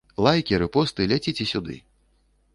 Лайкі, рэпосты, ляціце сюды.